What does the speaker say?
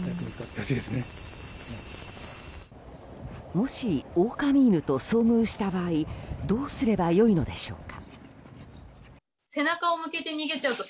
もしオオカミ犬と遭遇した場合どうすればよいのでしょうか。